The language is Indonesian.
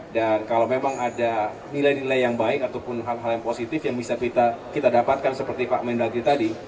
dan kalau memang ada nilai nilai yang baik ataupun hal hal yang positif yang bisa kita dapatkan seperti pak menulagri tadi